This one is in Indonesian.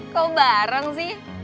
kok bareng sih